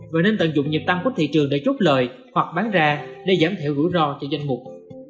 và nên tận dụng nhiệt tăng của thị trường để chốt lời hoặc bán ra để giảm thiểu rủi ro cho danh mục